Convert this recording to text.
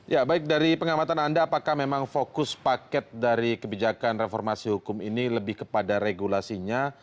ya baik dari pengamatan anda apakah memang fokus paket dari kebijakan reformasi hukum ini lebih kepada regulasinya